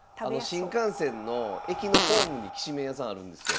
新幹線の駅のホームにきしめん屋さんあるんですよ。